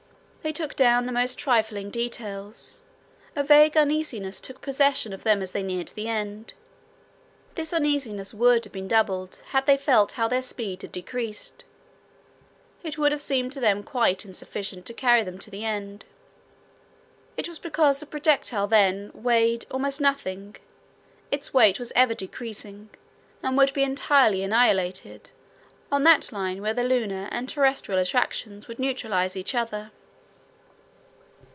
They took down the most trifling details. A vague uneasiness took possession of them as they neared the end. This uneasiness would have been doubled had they felt how their speed had decreased. It would have seemed to them quite insufficient to carry them to the end. It was because the projectile then "weighed" almost nothing. Its weight was ever decreasing, and would be entirely annihilated on that line where the lunar and terrestrial attractions would neutralize each other.